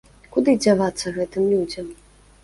Куды дзявацца гэтым людзям?